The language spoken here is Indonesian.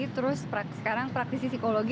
terus sekarang praktisi psikologi